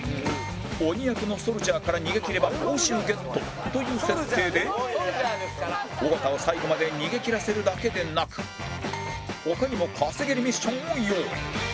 鬼役のソルジャーから逃げきれば報酬ゲットという設定で尾形を最後まで逃げきらせるだけでなく他にも稼げるミッションを用意